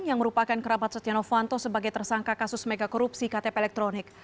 yang merupakan kerabat setia novanto sebagai tersangka kasus megakorupsi ktp elektronik